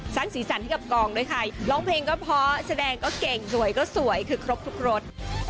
สร้างสีสันให้กับกองด้วยใครร้องเพลงก็เพราะแสดงก็เก่งสวยก็สวยคือครบทุกรถ